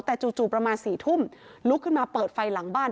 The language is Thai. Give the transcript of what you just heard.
แต่จู่ประมาณ๔ทุ่มลุกขึ้นมาเปิดไฟหลังบ้าน